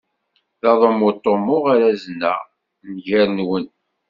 D aḍummu i ṭṭummuɣ arazen a nnger-nwen.